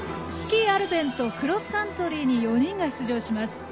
スキー・アルペンとクロスカントリーに４人が出場します。